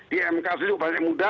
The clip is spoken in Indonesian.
di mkc juga banyak muda